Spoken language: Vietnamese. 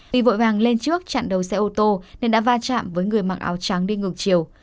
vì vội vàng lên trước chặn đầu xe ô tô nên đã va chạm với người mặc áo trắng đi ngược chiều